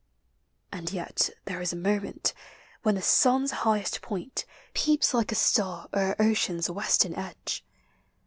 And vet there is a moment, When the sun's highest point Peeps like a star o'er ocean's western edge.